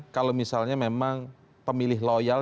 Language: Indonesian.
kalau misalnya memang pemilih loyal